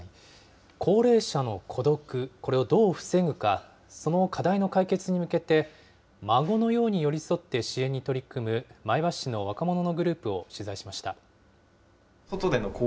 高齢者の孤独、これをどう防ぐか、その課題の解決に向けて、孫のように寄り添って支援に取り組む前橋市の若者のグループを取材しました。